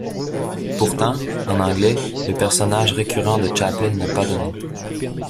Pourtant, en anglais, le personnage récurrent de Chaplin n'a pas de nom.